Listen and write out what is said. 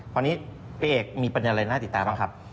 คราวนี้ประเอ็กซ์มีปัญญาณอะไรหน้าติดตามบ้างครับ